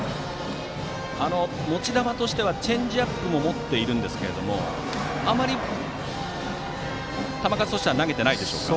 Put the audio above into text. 持ち球としてはチェンジアップも持っているんですがあまり、球数としては投げてないでしょうか。